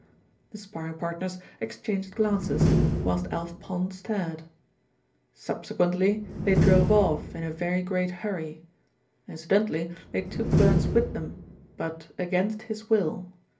The sparring partners exchanged glances, whilst Alf Pond stared. "Subsequently they drove off in a very great hurry. Incidentally they took Burns with them; but against his will.